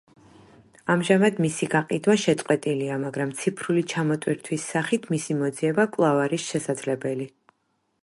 ამჟამად მისი გაყიდვა შეწყვეტილია, მაგრამ ციფრული ჩამოტვირთვის სახით მისი მოძიება კვლავ არის შესაძლებელი.